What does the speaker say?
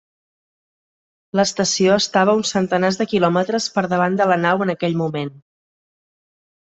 L'estació estava a uns centenars de quilòmetres per davant de la nau en aquell moment.